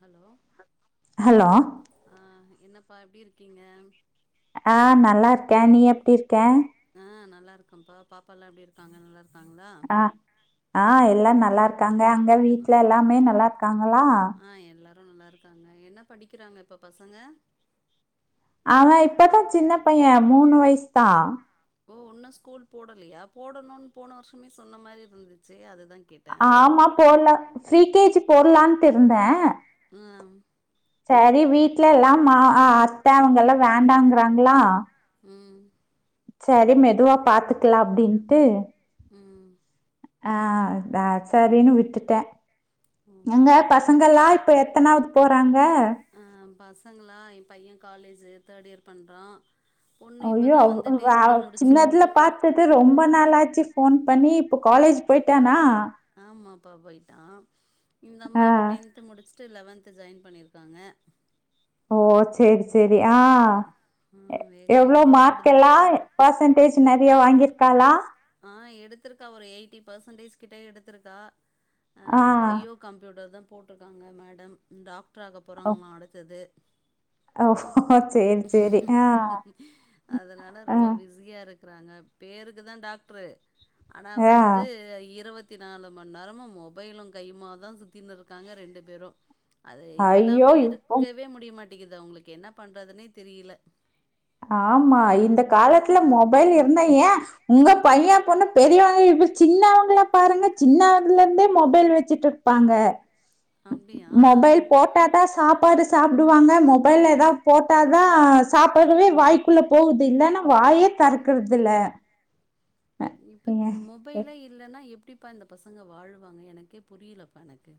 Hello ஆ என்னப்பா எப்டி இருக்கீங்க அ நல்லா இருக்க நீ எப்டி இருக்க நல்லா இருக்கம்ப்பா பாப்பால எல்லா எப்டி இருக்காங்க நல்ல ஆ ஆ எல்லாம் நல் நல்லா இருக்கா அங்க அங்க வீட்ல எல்லாமே நல்லா இருக்காங்களா நல்லா இருக்காங்க என்ன படிக்கிறாங்க இப்ப பசங்க ஆவ இப்பதா சின்ன பைய மூணு வயசு தா ஓ இன்னு ஸ்கூல் போடலையா போடணுன் போன வருஷமே சொன்ன மாரி இருந்துச்சி அது ஆமா போட்ல ப்ரீ கே ஜி போடலான்டு இருந்த ஆ சரி வீட்ல எல்லாம் மா ஆ அத்த எல்லாம் வேண்டாங்கறாங்களா ம் சரி மெதுவா பாத்துக்கலா அப்டின்டு ம் அஅ சரினு விட்டுட்ட எங்க பசங்களா இப்பே எத்தனாவது போறாங்க பசங்களா எம் பையன் காலேஜ் தேர்ட் இயர் பண்றா ஐயோ வ் அவ் சின்னதுல பாத்தது ரொம்ப நாளாச்சி போன் பண்ணி இப்போ ஆமா இப்ப போயிட்டா இந்த அம்மா இப்ப டென்த் முடிச்சிட்டு லெவன்த் ஜாயின் பண்ணியிருக்காங்க ஓ சேரி சரி ஆ எவ்ளோ மார்க் எல்லா பர்சன்டேஜ் நெறைய வாங்கிருக்காளா எடுத்திருக்கா அ பயோ கம்ப்யூட்டர் தா போட்டுருக்காங்க மேடம் டாக் ட்றகப் போறாங்கலாமா அடுத்தது அதனால ரொம்ப பிஸியா இருக் இருக்றாங்க பேருக்கு தா டாக்ட்ரு ஆனா வந்து இருவத் இருபத்தி நாலு மணி நேரமும் மொபைலு கையுமா தா சுத்தின்டு இருக்காங்க ரெண்டு பேரும் அது இல்லாம இருக்கவே முடியமாட் புடிக்கிது அவங்களுக்கே என்னா பண்றதுன்னேத் தெரியல ஆமா இந்த காலத்துல மொபைல் இருந்தே ஏ உங்க பையன் பொண்ணு பெரியவங்க இப்ப சின்னவங்கல பாருங்க சின்னவங்கலருந்தே மொபைல் வச்சுட்ருப்பாங்க மொபைல் போட்டா தான் சாப்பாடு சாப் டுவாங்க மொபைல்ல எதாவ போட்டாதா சாப்பறவே வாய்க்குள்ள போகுது இல்லன்னா வாயே தெறக்குறதுல்ல இப்ப இந்த மொபைலே இல்லன்னா எப்டி எப்ப இந்த பசங்க வாழ்வாங்க எனக்கே புரியலப்பா எனக்கு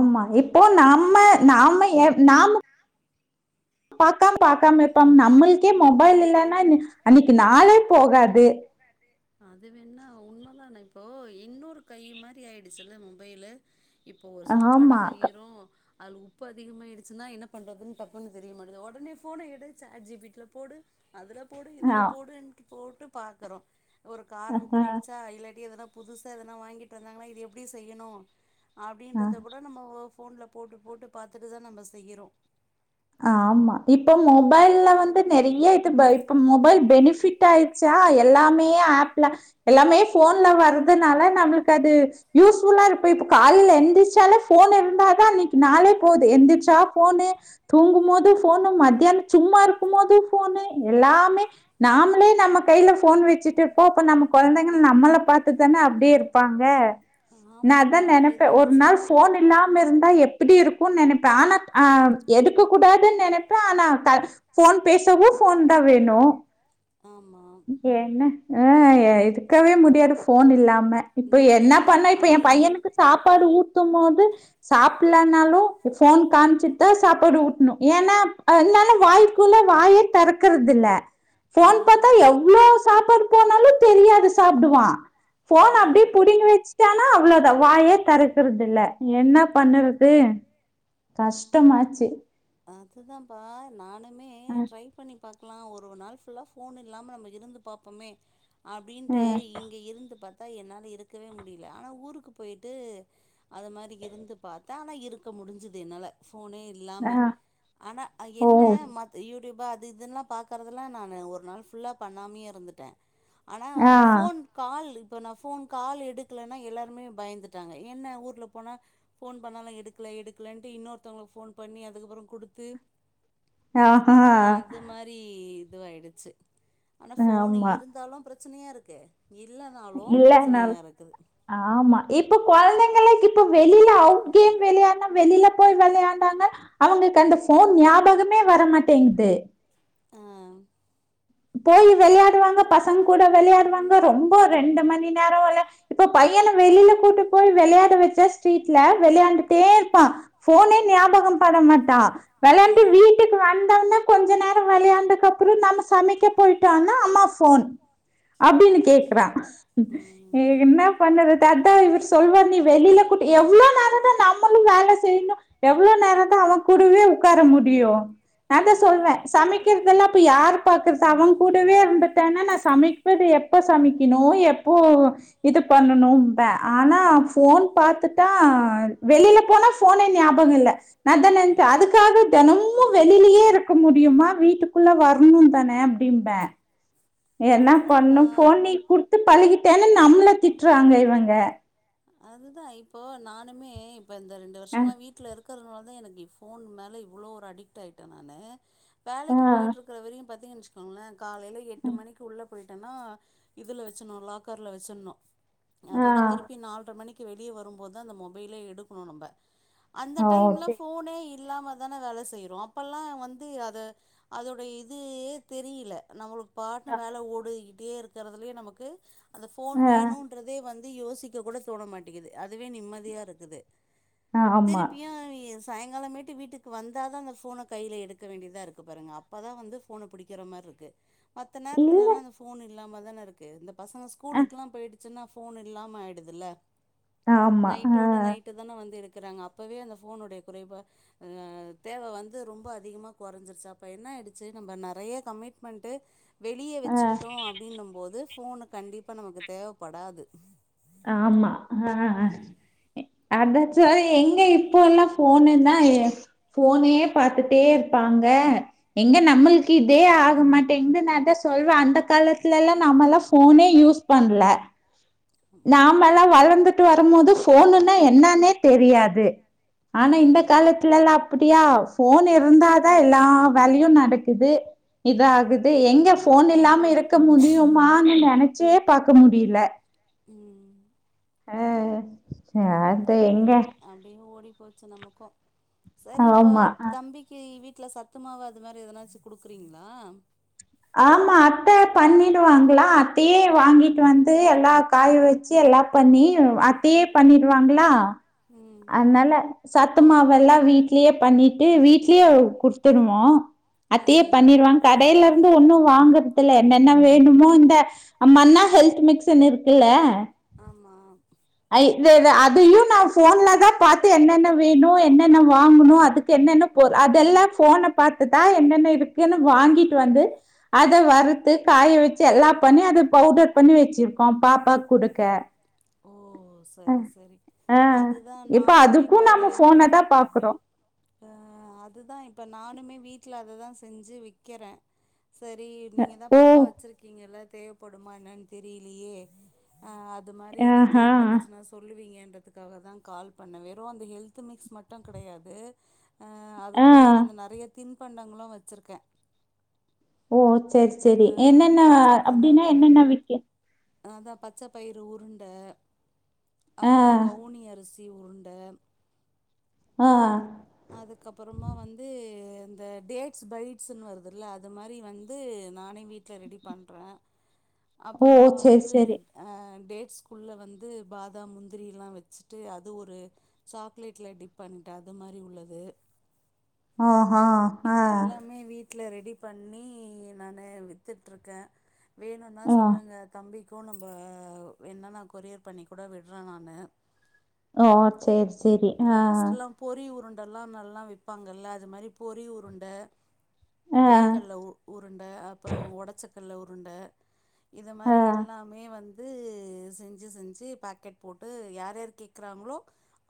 ஆமா இப்போ நம்ம நாம ஏ நாம பாக்காம பாக்காம இப்பம் நம்மள்க்கே மொபைல் இல்லேன்னா இ அன்னைக்கு நாளே போகாது அது வேணா உண்மதானே இப்போ இன்னொரு கை மாரி ஆயிடுச்சுல மொபைலு இப்ப ஒரு சாப்பாடு செய்யிரோ அது உப்பு அதிகமாயிடுச்சுன்னா என்ன பண்றதுன்னு தப்புன்னு தெரிய மாட்டேங்குது ஒடனே ஃபோன எடு ஜேட் ஜி பீ டி ல போடு அதுல போடு இதுல போடு ன்ட்டு போட்டு பாக்குறோ ஒரு காரங்குடிச்சா இலாட்டி எதுனா புதுசா எதுனா வாங்கிட்டு வந்தாங்கன்னா இது எப்டி செய்யணு அப்டின்றத கூட நம்ம ஒ ஃபோன்ல போட்டு போட்டு பாத்துட்டு தா நம்ம செய்யுறொ ஆமா இப்ப மொபைல்ல வந்து நெறைய இது பை இப்ப மொபைல் பெனிஃபிட்டாயிச்சா எல்லாமே ஆப்ல எல்லாமே போன்ல வர்றதுனால நம்மளுக்கது யூஸ்ஃபுல்லா இருப்ப இப்ப காலல எந்திருச்சாலே போன் இருந்தாதா அன்னைக்கு நாளே போகுது எந்திருச்சா போனு தூங்கும் போது ஃபோனு மத்தியான சும்மா இருக்கும் போது ஃபோனு எல்லாமே நாமளே நம்ம கையில ஃபோன் வச்சுட்டிப்போ அப்ப நம்ம கொழந்தைங்க நம்மள பாத்துதானே அப்டியே ப்பாங்க நா அதா நெனப்ப ஒரு நாள் ஃபோன் இல்லாம இருந்தா எப்புடி இருக்கும் நெனப்பே ஆனா ஆம் எடுக்க கூடாதுன்நெனப்பேன் ஆனா த ஃபோன் பேசவு போன் தா வேணு ஏன்னா ஆஹ் எ இருக்கவே முடியாது ஃபோன் இல்லாம் அம்ம இப்ப என்ன பண்ண இப்ப எம்பையனுக்கு சாப்பாடு ஊட்டும் போது சாப்புட்ல ல்லனாலு ஃபோன் காமிச்சுட்தா சாப்பாடு ஊட்டணு ஏன்னா என்னாலு வாய்க்குள்ள வாயே தெறக்குறதில்ல ஃபோன் பாத்தா எவ்ளோ சாப்பாடு போனாலு தெரியாது சாப்டுவா ஃபோன் அப்டியே புடிங்கு வச்சுட்டேன்னா அவ்ளோ வாயே தெறக்குறதில்ல என்ன பண்ணுறது கஷ்டமாச் சு அதுதாம்பா நானு மே ட்ரை பண்ணி பாக் லா ஒரு நாள் ஃபுல்லா ஃபோன் இல்லாம நம்ம இருந்து பாப்பமே அப்பிடின்ட்டு இங்க இருந்து பார் த்த என்னால இருக்கவே முடியல ஆனா ஊருக்கு போயிட்டு அது மாரி இருந்து பாத்தே ஆனா இருக்க முடிஞ்சுது என்னால ஃபோனே இல்லாம ஆனா அ என்ன மத் யூவ் டூப்பு அது இதெல்லாம் பாக்குறதெல்லாம் நானு ஒரு நாள் ஃபுல்லா பண்ணாமேயே இருந்துட்டேன் ஆனா ஃபோன் கால் ஸோ நான் ஃபோன் கால் எடுக்கலன்னா எல்லாருமே பயந்துட்டாங்க என்ன ஊர்ல போனா ஃபோன் பண்ணாலும் எடுக்கல எடுக்கலைன்ட்டு இன்னொருத்தவங்களுக்கு ஃபோன் பண்ணி அது துக்கப்புறம் குடுத்து ஆஹ் ஹ இதுவாயிடுச்சு ஆனா ஃபோனு இருந்தாலும் பிரச்ச பிரச்சனையா இருக்கு இல்லைன்னால் ஆமா இப்ப கொழந்தைங்களே கி இப்ப வெளியில அவுட் கேம் விளையாட்னா வெளியில போய் விளையாண்டாங்க அவங்களுக்கு அந்த ஃபோன் ஞாபகமே வரமாட்டேங்குது ஆஹ் போய் வெளையாடுவாங்க பசங்க கூட வெளையாடுவாங்க ரொம்ப ரெண்டு மணி நேரம் வெள இப்ப பையனை வெளியில கூட்டு போய் வெளையாட வச்சா ஸ்ட்ரீட்ல வெளையாண்டுட்டே இருப்பான் ஃபோனே ஞாபகம் பட மாட்டான் வெளையாண்ட்டு வீட்டுக்கு வந்த ஒன்னே கொஞ்ச நேரம் வெளையாண்டுதுக்கு அப்பறம் நம்ம சமைக்க போயிட்டோன்னா அம்மா ஃபோன் அப்பிடின்னு கேக்குறான் என்ன பண்ணுற அதான் இவர் சொல்வாரு நீ வெளியில கூட்டி எவ்ளோ நேரந்தான் நம்மளும் வேல செய்யணும் எவ்வளோ நேரந்தான் அவன் கூடவே உக்கார முடியும் நான் தான் சொல்லுவேன் சமைக்கிறதெல்லாம் அப்ப யார் பாக் அவங் கூடவே இருந்துட்டான்னாண நான் சமக்கது எப்ப சமக்கணும் எப்போ இது பண்ணணும்பேன் ஆனா ஃபோன் பாத்துட்டா வெளியில போனா ஃபோனே ஞாபகம் இல்ல நான் அதான் நெனச்சே அதுக்காக தெனமும் வெளிலயே இருக்க முடியுமா வீட்டுக்குள்ள வரணும் தானே அப்பிடிம்பே என்ன பண்ணு ஃபோன் நீ குடுத்து பழகிட்டேன்னு நம்ள திட்டுறாங்க இவங்க அதுதா இப்போ நா ன்னுமே ப்பா இந்த ரெண்டு வருஷமா வீட்ல இருக் ருக்கிறதுனால தா எனக்கு ஃபோன் மேல இவ்வளோ ஒரு அடிக்ட் ஆயிட்ட நானு வேலைக்கு போயிட்டு இருக்கிற வரையு பாத்தீங்கனு வச்சிக்கோங்களன் காலையிலஎட்டு மணிக்கு உள்ள போயிட்டேன்னா இதுல வச்சணு லாக்கர்ல வச்சிடணு அதோட திருப்பி நாள்ற மணிக்கு வெளியேவரும்போதுதா அந்த மொபை பைல எடுக்கணு நம்ப அந்த டைம்ல ஃபோனே இல்லாம தானே வேல செய்யறோ அப்பல்லா வந்து அத அதோடைய இது தெரியல நம்மளுக் பாட்டுன்ன வேல ஓடு ருக்கறிறதுலயே நமக்கு அந்த ஃபோன் வேணுன்றதே வந்து து யோசிக்க கூட தோன மாட்டிகுது அதுவே நிம்மதி தக்குது. திருப்பியு யஸ் சாயங்காலமேட்டு வீட்டுக்கு வந்தாத தா அந்த ஃபோன கையில எடுக்க வேண்டியதா இருக்கு பாருங்க அப்பதா வந்து ஃபோன பிடிக்கிற மாரி இருக்கு. மத்த நேரத்துலல்லா இந்த ஃபோன் இல் ல்லாம தானே இருக்கு இந்த பசங்க ஸ்கூலுக்கெல்லா போயிட்டு சச்சனா ஃபோன் இல்லாம ஆயிடுதுல ஆமா ஆஹ். ட்டு தான வந்து எடுக்குறாங்க அப்போவே அந்த ஃபோனோட குறைபா ஆஹ் தேவ வந்து ரொம்ப அதிகமா குறைஞ்சிருச்சு அப்ப என்னாயிடுச்சு நம்ப நறைய கமிட்மெண்ட் வெளியே வச்சுக்கிட்டோ அப்படின்னும் போது ஃபோன் கண்டிப்பா நமக்கு தேவப்படாது. ஆமா. ஆஹ் அத சரி எங்க இப்போ எல்லா ஃபோனுன ஃபோனே பாத்துட்டே இருப்பாங்க எங்க நம்மளுக்கு இதே ஆகமாட்டேங்குது ந தா சொல்லுவ அந்த காலத்துல எல்லா நம்ம எல்லா ஃபோனே யூஸ் பண்ணல நாம எல்லா வளர்ந்துட்டு வரும்போது ஃபோனுன்னா என்னானே தெரியாது ஆனா இந்த காலத்துல எல்லா அப்படியா ஃபோன் இருந்தாதா எல்லா வேலையு நடக்குது இதது ஆகுது எங்க ஃபோன் இல்லாம இருக்க முடியுமான்னு நினைச்சே பாக்க முடியல என்ன பண்றது அப்டியே ஓடி போச்சு நமக்கு சரி இப்ப தம்பிக்கு வீட் ட்ல சத்த மாவு அது மாரி எதனாச்சு குடுக்குறீங்ளா ஆமா அத்த பண்ணிடுவாங்ளா அத்தையே வாங்கிட்டு வந்து எல்லா காய வெச்சு எல்லா பண்ணி அத்தையே பண்ணிருவாங்ளா அன்னால சத்து மாவு எல்லா வீட்லியே பண்ணிட்டு வீட்லியே குடுத்துருவோ அத்தையே பண்ணிருவாங் கடைல இர் வாங்கறதுல்ல என்னென்ன வேணுமோ இந்த மன்னா ஹெல்த் மிக்சின் இருக்குல்ல ஆமா அய் து து அதையு நா ஃபோன்லதா பாத்து என்னென்ன வேணு என்னென்ன வாங்குணு அதுக்கு என்னென்ன பொரு அதெல்லா ஃபோன பாத்துதா என்னென்ன இருக்குனு வாங்கிட்டு வந்து அத வறுத்து காய வெச்சு எல்லா பண்ணி அத பவுடர் பண்ணி வெச்சிருக்கோ பாப்பாக் குடு க்க ஓ சரி செரி அதுதா நானுமே இப்ப அது அ அதுதா இப்ப நானுமே வீட்ல அத தா செஞ்சு விக்கறே செரி நீங்க தா பாப்பா வெச்சிருக்கீங்கல்ல தேவபடுமா என்னான் தெரிலியே அ அது மாரி எதுனா தேவைப்பட்டுச்சுனா சொல்லுவீங்க கேக்கத்துக்காகதா கால் பண்ணே வெறு அந்த ஹெல்த் மிக்ஸ் மட்டு கெடையாது அ அது கூடவே அந்த நறைய தின் பண்டங்களு வெச்சிருக்கே [unintelligible] சேர் சேரி என்னென்ன அப்டினா என்னென்ன விக்க அ அதா பச்ச பயிறு உருண்ட அப்புற கவுனி அரிசி தி உருண்ட ஆ அதுக்கப்பறமா வந்து இந்த டேட்ஸ் பைட்ஸ்ன் வருதுல்ல அது மாரி வந்து நானே வீட்ல ரெடி பண்றே அப்பறமா வந்து அ டேட் ஸ்கூல்ல வந்து பாதாம் முந்திரில்லா வெச்சுட்டு அது ஒரு சாக்லேட்ல டிப் பண்ணிட்டு அது மா ரி உள்ளது ஆஹ் ஆஹ் அ ட்ல ரெடி பண்ணி நானு வித்துட்ருக்கே வேணுனா சொல்லுங்க தம்பி கு நம்ப வேண்ணா நா கொரியர் பண்ணி கூட விட்ற நானு ஓ சேரி சேரி ஆஹ் இதல்லா நல்லா விப்பாங்கல்ல அது மாரி பொறி உருண்ட வேர்கல்ல உ உருண்ட அப்புறோ ஒடச்சக் கல்ல உருண்டே இது மாரி எல்லாமே வந் து செஞ்சு செஞ்சு பாக்கெட் போட்டு யார் யார் கேக்குறாங்களோ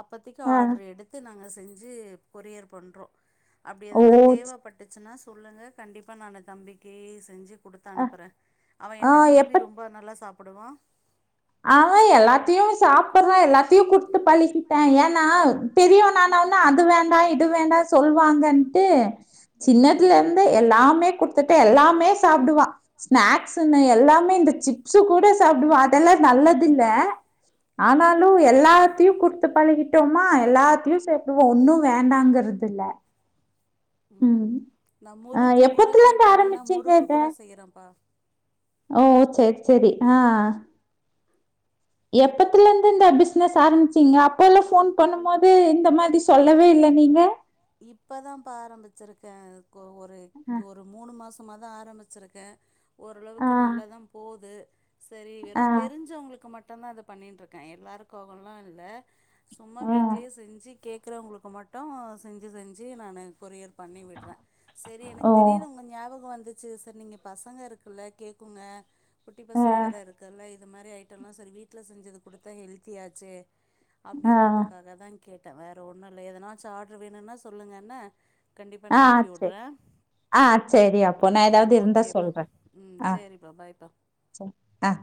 அப்பத்திக்கி ஆர்டரு எடுத்து நாங்க ச் செஞ்சு கொரியர் பண்றோ அப்புடி எதனா தேவப்பட்டுச்சனா ச் சொல்லுங்க கண்டிப்பா நானு தம்பிக்கு செஞ்சு குடுத்து அனுப்புறே அவ என்ன விரும்பி ரொம்பொ நல்லா சாப் குடுவொ அவ எல்லாத்தையு சாப்பிட்றா எல்லாத்தையு குடுத்து பழகி ஏன்னா பெரியவ நான உன்னா அது வேண்டா இது வேண்டா சொல்வாங்கன்ட்டு சின்னதுல இருந்து எல்லாமே குடுத் துடு எல்லாமே சாப்டுவா ஸ்நாக்ஸுன்னு எல்லாமே இந்த சிப்ஸ்ஸு கூட சாப்பிடுவா அ தெல்லா நல்லதில்ல ஆனாலு எல்லாத்தையு குடுத்து பழகிட்டோமா எல்லாத்தையு சாப்டுவா ஒன்னு வேண்டாங்கறதில்ல உம் நா முறுக்கு கூட கேட்டாங்கன்னா முறுக்கு கூட செய்யறம்ப்பா ஓ சரி சரி ஆஹ் எப்பத்துல இருந்து இந்த பிசினஸ் ஆரம்பிச்சீங்க அப்ப எல்லா ஃபோன் பண்ணும் போது இந்த மாரி சொல்லவே இல்ல நீங்க இப்பதாம்ப்ப ஆரம்பிச்சிருக்கே இப்போ ஒரு ஒரு மூணு மாச் சமாதா ஆரம்மிச்சிருக்கே ஓரளவுக்கு நல்லா தா போது சரி வெறு தெரிஞ்சவங்களுக்கு மட் டுந்தா இது பண்ணிட்ருக்க எல்லாருக்காகல்லா இல்ல சும்மா வீட்லயே செஞ்சு கேக் குறவங்களுக்கு மட்டு செஞ்சு செஞ்சு நானு கொரியர் பண்ணி விட்ற சரி எனக்கு திடீர்னு உங்க ஞாபகொ வந்து சரி சரி நீங்க பசங்க இருக்குல்ல கேக்குங்க குட்டி பசங்க வேற இருக்குல்ல இ இந்த மாரி ஐட்டம்லா சரி வீட்ல செஞ்சது கொடுத்தா ஹெல்த்தியாச்சே அப்டின்றதுக்காக தா கேட்ட வேற ஒண்ணு ல்ல எதனாச் ஆட் வேணுனா சொல்லுங்ஙென்ன ஆஹ் சரி ஆஹ் சரி அப்போ நா ஏதாது இருந்தா சொல்ற ஆஹ் ச ஆஹ்